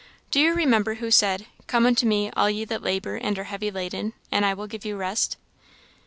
"Do you remember who said, 'Come unto me, all ye that labour and are heavy laden, and I will give you rest'?"